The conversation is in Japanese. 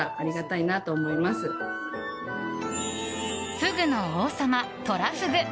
フグの王様、トラフグ。